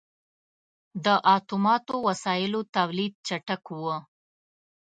• د اتوماتو وسایلو تولید چټک و.